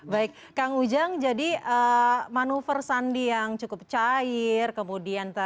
baik kang ujang jadi manuver sandi yang cukup cair kemudian